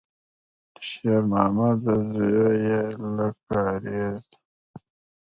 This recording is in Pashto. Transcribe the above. شېرمامده زویه، له کارېزه!